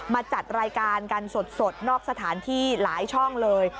จัดรายการกันสดนอกสถานที่หลายช่องเลย